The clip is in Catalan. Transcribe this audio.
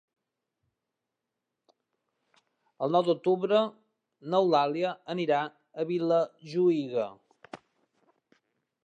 El nou d'octubre n'Eulàlia anirà a Vilajuïga.